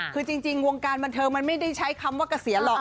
คือจริงวงการบันเทิงมันไม่ได้ใช้คำว่าเกษียณหรอก